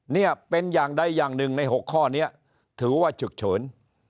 เนี่ยเป็นอย่างใดอย่างหนึ่งใน๖ข้อนี้ถือว่าฉุกเฉิน